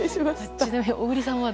ちなみに小栗さんは？